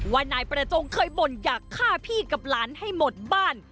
ว่านายประจงเคยบ่นอยากฆ่าพี่กับหลานให้หมดบ้าน